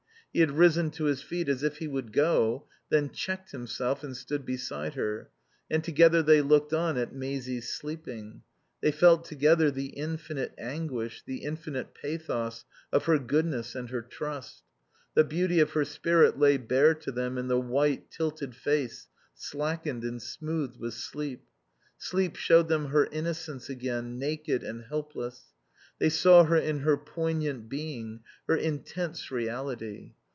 He had risen to his feet as if he would go, then checked himself and stood beside her; and together they looked on at Maisie's sleeping; they felt together the infinite anguish, the infinite pathos of her goodness and her trust. The beauty of her spirit lay bare to them in the white, tilted face, slackened and smoothed with sleep. Sleep showed them her innocence again, naked and helpless. They saw her in her poignant being, her intense reality.